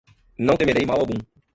não temerei mal algum.